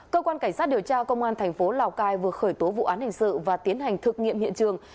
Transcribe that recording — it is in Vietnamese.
cơ quan cảnh sát điều tra công an thành phố lào cai vừa khởi tố vụ án hình sự và tiến hành thực nghiệm hiện trường